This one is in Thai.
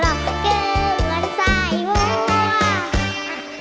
แม่อายห่อห่อและกลัวจะรอเกินสายหัว